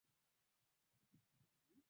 tayari kwa chochote halisi Na ikiwa mtu anakuwa